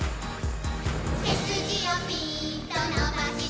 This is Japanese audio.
「せすじをピーンとのばして」